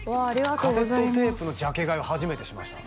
カセットテープのジャケ買いは初めてしましたわ